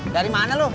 dari mana lu